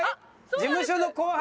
事務所の後輩。